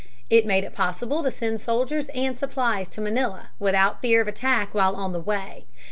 It made it possible to send soldiers and supplies to Manila, without fear of attack while on the way.